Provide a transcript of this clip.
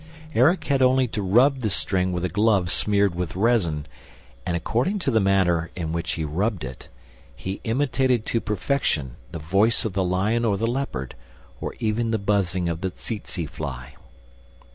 Erik had only to rub this string with a glove smeared with resin and, according to the manner in which he rubbed it, he imitated to perfection the voice of the lion or the leopard, or even the buzzing of the tsetse fly.